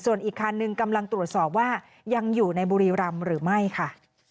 ส่วนอีกคันหนึ่งกำลังตรวจสอบว่ายังอยู่ในบุรีรำหรือไม่ค่ะ